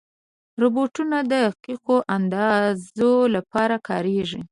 روبوټونه د دقیقو اندازو لپاره کارېږي.